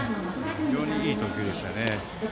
非常にいい投球でしたね。